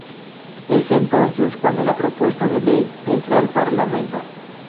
Es entonces cuando la propuesta de ley entra al parlamento.